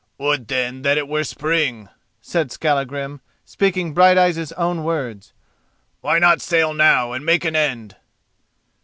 "Would, then, that it were spring," said Skallagrim, speaking Brighteyes' own words. "Why not sail now and make an end?"